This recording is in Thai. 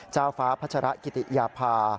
เจ้าฟ้าพัชระกิติยาภา